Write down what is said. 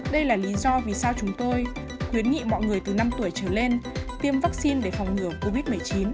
đây là lý do vì sao chúng tôi khuyến nghị mọi người từ năm tuổi trở lên tiêm vaccine để phòng ngừa covid một mươi chín